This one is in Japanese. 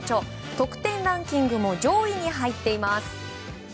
得点ランキングも上位に入っています。